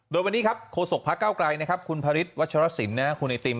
โดยวันนี้ครับโฆษกภาคเก้าไกรคุณพริษวัชรสินคุณอิติม